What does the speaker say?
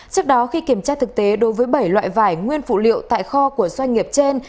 trước đó khi kiểm tra thực tế đối với bảy loại vải nguyên phụ liệu tại kho của doanh nghiệp trên